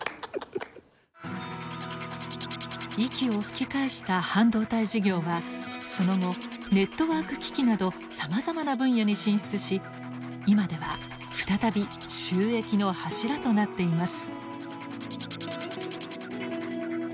息を吹き返した半導体事業はその後ネットワーク機器などさまざまな分野に進出し今では再び収益の柱となっています。